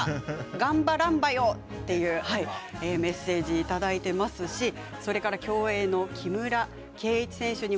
がんばらんばよっていうメッセージいただいていますしそれから競泳の木村敬一選手にもきております。